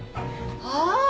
ああ！